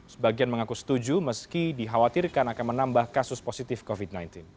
sebagian mengaku setuju meski dikhawatirkan akan menambah kasus positif covid sembilan belas